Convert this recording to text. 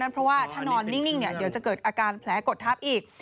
เพราะว่าถ้านอนนิ่งเดี๋ยวจะเกิดอาการแผลกดทับอีก